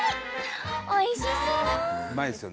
おいしそう！